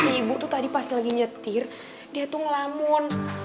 si ibu tuh tadi pas lagi nyetir dia tuh ngelamun